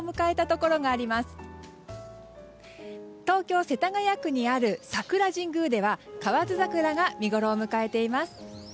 東京・世田谷区にある桜神宮では河津桜が見ごろを迎えています。